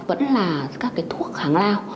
vẫn là các cái thuốc kháng lao